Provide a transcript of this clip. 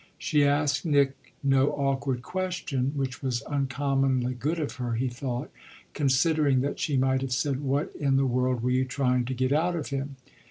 She asked Nick no awkward question; which was uncommonly good of her, he thought, considering that she might have said, "What in the world were you trying to get out of him?"